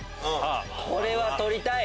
これは取りたい！